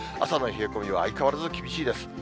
朝の冷え込みは相変わらず厳しいです。